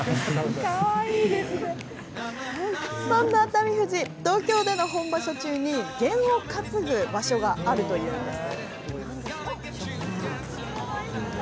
そんな熱海富士東京での本場所中に験を担ぐ場所があるというんです。